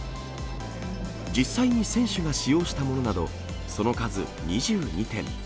実際に選手が使用したものなど、その数、２２点。